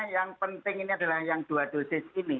yang penting ini adalah yang dua dosis ini